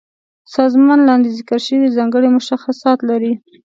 سازمان لاندې ذکر شوي ځانګړي مشخصات لري.